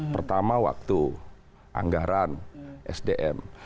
pertama waktu anggaran sdm